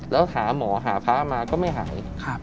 แล้วหาหมอหาพระมาก็ไม่หาย